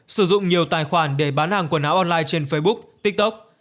sử dụng nhiều tài khoản để bán hàng quần áo online trên facebook tiktok